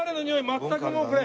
全くもうこれ。